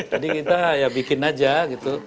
jadi kita ya bikin aja gitu